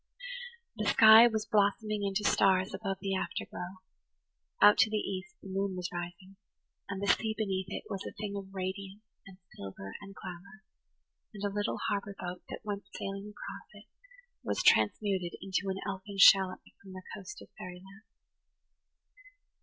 The sky was blossoming into stars above the afterglow; out to the east the moon was rising, and the sea beneath it was a thing of radiance and silver and glamour; and a little harbour boat that went sailing across it was transmuted into an elfin shallop from the coast of fairyland.